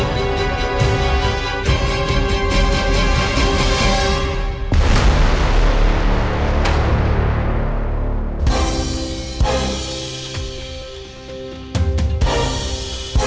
aku sudah selesai